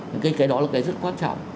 thế thì cái đó là cái rất quan trọng